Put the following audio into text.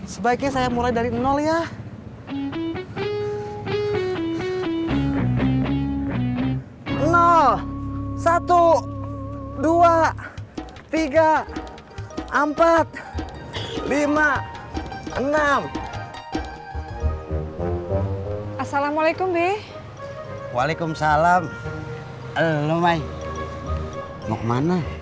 sebaiknya saya mulai dari ya